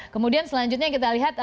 kemudian selanjutnya kita lihat